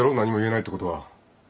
何も言えないってことは。